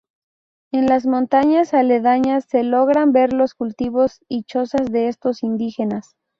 En las montañas aledañas se logran ver los cultivos y chozas de estos indígenas.